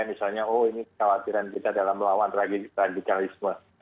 misalnya oh ini kekhawatiran kita dalam melawan radikalisme